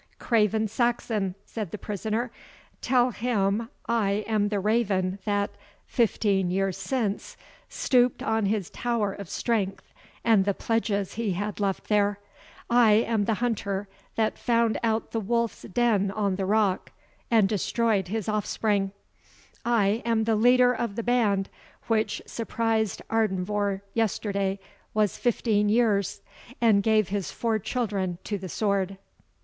"Craven Saxon," said the prisoner, "tell him I am the raven that, fifteen years since, stooped on his tower of strength and the pledges he had left there I am the hunter that found out the wolfs den on the rock, and destroyed his offspring I am the leader of the band which surprised Ardenvohr yesterday was fifteen years, and gave his four children to the sword."